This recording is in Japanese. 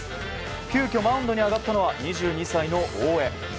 急きょ、マウンドに上がったのは２２歳の大江。